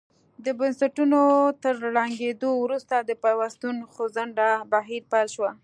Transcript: د بنسټونو تر ړنګېدو وروسته د پیوستون خوځنده بهیر پیل شو.